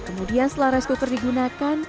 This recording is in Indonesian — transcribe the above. kemudian setelah rice cooper digunakan